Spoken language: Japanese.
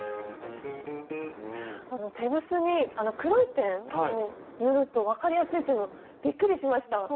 あのテグスにあの黒いペンを塗ると分かりやすいっていうのびっくりしました。